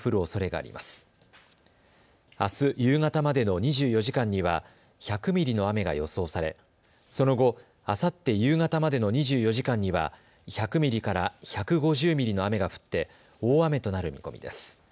あす夕方までの２４時間には１００ミリの雨が予想されその後、あさって夕方までの２４時間には１００ミリから１５０ミリの雨が降って大雨となる見込みです。